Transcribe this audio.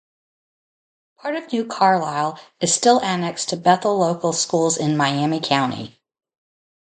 Part of New Carlisle is still annexed to Bethel Local Schools in Miami County.